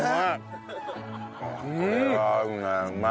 うまい。